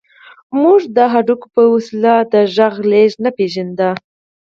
موږ د هډوکي په وسیله د غږ لېږد نه پېژانده